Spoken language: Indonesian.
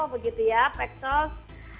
begitu ya peksos